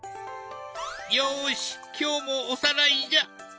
よし今日もおさらいじゃ！